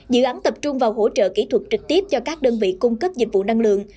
dự án tập trung vào hỗ trợ kỹ thuật trực tiếp cho các đơn vị cung cấp dịch vụ năng lượng